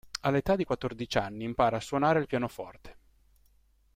All'età di quattordici anni impara a suonare il pianoforte.